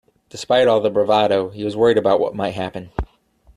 Despite all the bravado he was worried about what might happen.